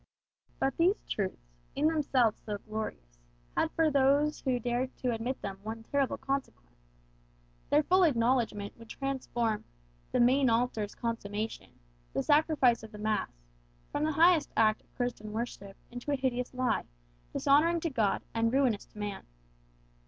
But these truths, in themselves so glorious, had for those who dared to admit them one terrible consequence. Their full acknowledgment would transform "the main altar's consummation," the sacrifice of the mass, from the highest act of Christian worship into a hideous lie, dishonouring to God, and ruinous to man.